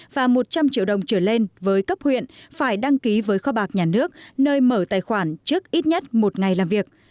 và một trăm linh triệu đồng trở lên với cấp huyện phải đăng ký với kho bạc nhà nước nơi mở tài khoản trước ít nhất một ngày làm việc